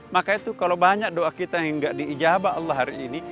maka itu kalau banyak doa kita yang tidak diijabah allah hari ini